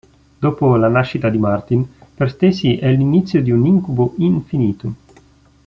Dopo la nascita di Martin, per Stacey è l'inizio di un incubo infinito.